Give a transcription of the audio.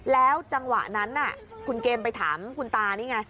แล้วจังหวะนั้นคุณเกมไปถามคุณตานี่ไง